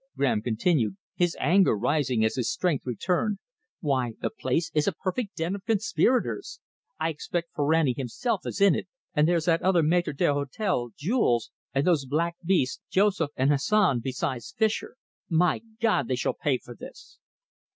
Graham continued, his anger rising as his strength returned. "Why, the place is a perfect den of conspirators! I expect Ferrani himself is in it, and there's that other maitre d'hotel, Jules, and those black beasts, Joseph and Hassan, besides Fischer. My God, they shall pay for this!"